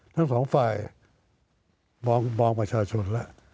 ทั้งสองฝ่ายบอกบอกประชาชน